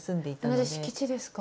同じ敷地ですか？